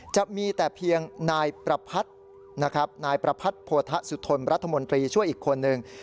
จะมีแต่เพียงนายประพัทธ์โพธะสุทธนรัฐมนตรีช่วยอีกคนหนึ่ง